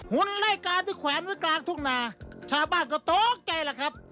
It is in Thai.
หุ่นรายการที่แขวนไว้กลางทุกนาชาวบ้านก็โต๊ะใจล่ะครับ